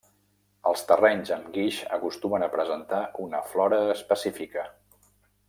Els terrenys amb guix acostumen a presentar una flora específica.